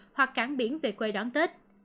hoặc cảng biển về quê đoán tết